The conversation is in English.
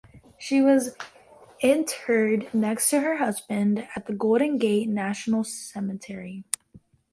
She was interred next to her husband at the Golden Gate National Cemetery.